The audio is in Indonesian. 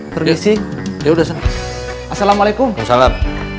ya udah senang assalamualaikum salam